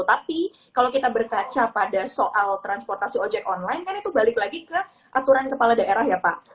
tapi kalau kita berkaca pada soal transportasi ojek online kan itu balik lagi ke aturan kepala daerah ya pak